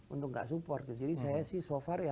untuk nggak support jadi saya sih so far ya